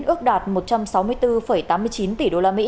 ước đạt một trăm sáu mươi bốn tám mươi chín tỷ usd